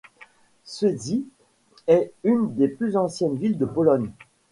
Świecie est une des plus anciennes villes de Pologne.